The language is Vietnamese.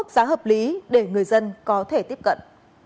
giá hợp lý để người dân có thể tiếp cận